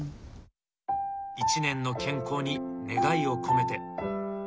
一年の健康に願いを込めて。